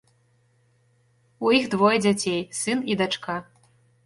У іх двое дзяцей, сын і дачка.